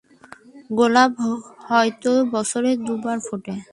গোলাপ হয়তো বছরে দুবার ফোটে।